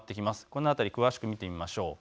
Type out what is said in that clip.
この辺りを詳しく見てみましょう。